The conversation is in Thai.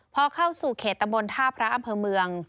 พอเข้าสู่เขตตำบลท่าพระอำเภอเมือง